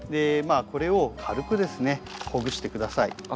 まあこれを軽くですねほぐして下さい。